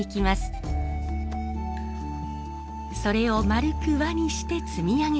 それを円く輪にして積み上げていきます。